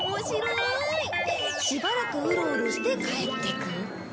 しばらくウロウロして帰ってく。